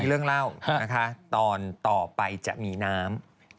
เรื่องเล่านะคะตอนต่อไปจะมีน้ำ